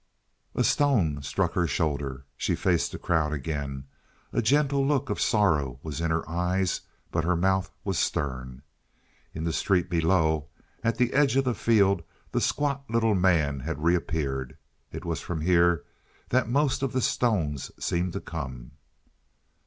A stone struck her shoulder. She faced the crowd again; a gentle look of sorrow was in her eyes, but her mouth was stern. In the street below at the edge of the field the squat little man had reappeared. It was from here that most of the stones seemed to come.